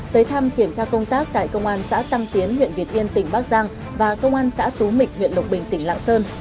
tới thăm kiểm tra công tác tại công an xã tăng tiến huyện việt yên tỉnh bắc giang và công an xã tú mịch huyện lộc bình tỉnh lạng sơn